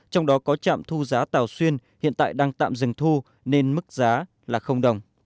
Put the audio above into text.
trong đó có trạm thu giá tàu xuyên hiện tại đang tạm dừng thu nên mức giá là đồng